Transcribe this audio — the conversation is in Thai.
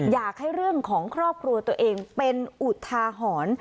อยากให้เรื่องของครอบครัวตัวเองเป็นอุทาหรณ์